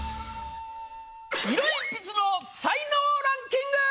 色鉛筆の才能ランキング！